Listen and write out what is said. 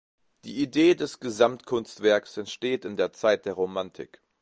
Die Idee des Gesamtkunstwerks entsteht in der Zeit der Romantik.